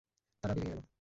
তারা বেড়িয়ে গেল।